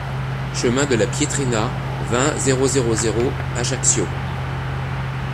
Chemin de la Pietrina, vingt, zéro zéro zéro Ajaccio